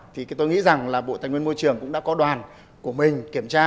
thì tôi nghĩ rằng là bộ tài nguyên môi trường cũng đã có đoàn của mình kiểm tra